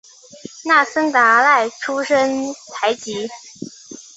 那森达赖出身台吉。